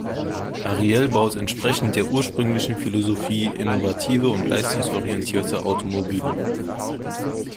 Ariel baut entsprechend der ursprünglichen Philosophie innovative und leistungsorientierte Automobile.